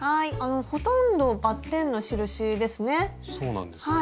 ほとんどバッテンの印ですね。